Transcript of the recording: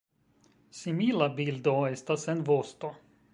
Simila bildo estas en vosto.